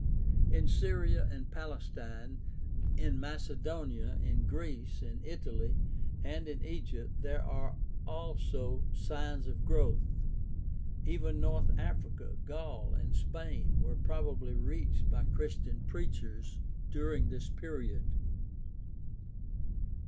In Syria and Palestine, in Macedonia, in Greece, in Italy, and in Egypt there are also signs of growth. Even North Africa, Gaul, and Spain were probably reached by Christian preachers during this period.